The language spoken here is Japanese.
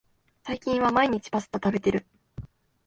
最近は毎日パスタ食べてる